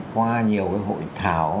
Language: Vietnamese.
qua nhiều cái hội thảo